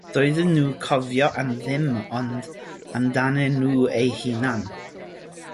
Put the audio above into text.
Doedden nhw'n cofio am ddim ond amdanyn nhw eu hunain.